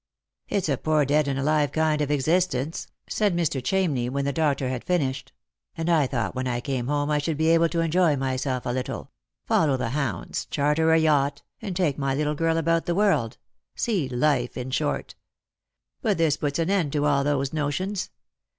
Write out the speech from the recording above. " It's a poor dead and alive kind of existence," said Mr. Chamney, when the doctor had finished; " and I thought when I came home I should be able to enjoy myself a little ; follow the hounds, charter a yacht, and take my little girl about the world — see life, in short. But this puts an end to all those notions.